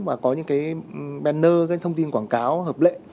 và có những cái bannner cái thông tin quảng cáo hợp lệ